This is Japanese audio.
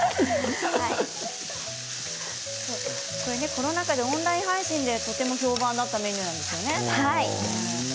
コロナ禍でオンライン配信でとても評判だったメニューなんですよね。